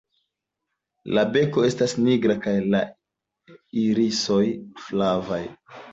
La beko estas nigra kaj la irisoj flavaj.